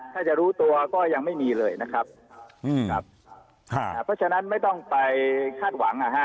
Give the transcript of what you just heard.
ถ้าจะรู้ตัวก็ยังไม่มีเลยนะครับอืมครับเพราะฉะนั้นไม่ต้องไปคาดหวังอ่ะฮะ